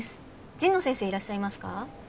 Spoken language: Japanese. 神野先生いらっしゃいますか？